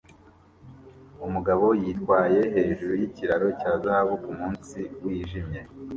Umugabo yitwaye hejuru yikiraro cya Zahabu kumunsi wijimye